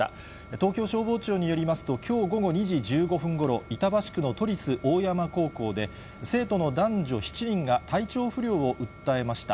東京消防庁によりますと、きょう午後２時１５分ごろ、板橋区の都立大山高校で生徒の男女７人が体調不良を訴えました。